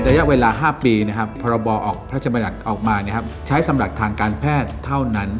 ระยะเวลา๕ปีพรบพระจำนักใช้สำหรับทางการแพทย์เท่านั้น